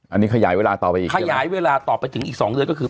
อันนี้ขยายเวลาต่อไปอีกขยายเวลาต่อไปถึงอีกสองเดือนก็คือ